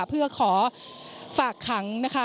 เพื่อขอฝากขังนะคะ